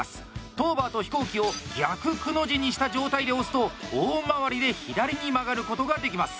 トーバーと飛行機を「逆くの字」にした状態で押すと大回りで左に曲がることができます。